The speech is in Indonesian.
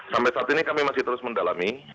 sampai saat ini kami masih terus mendalami